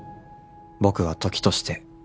「僕は時として」